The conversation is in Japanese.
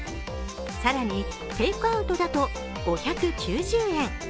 更にテイクアウトだと５９０円。